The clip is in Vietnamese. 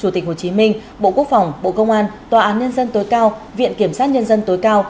tp hcm bộ quốc phòng bộ công an tòa án nhân dân tối cao viện kiểm sát nhân dân tối cao